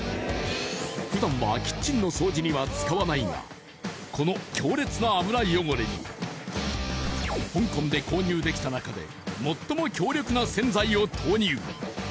ふだんはキッチンの掃除には使わないがこの強烈な油汚れに、香港で購入できた中で最も強力な洗剤を投入。